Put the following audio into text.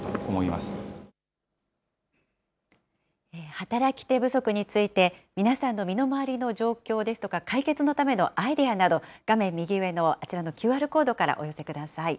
働き手不足について、皆さんの身の回りの状況ですとか解決のためのアイデアなど、画面右上のあちらのＱＲコードからお寄せください。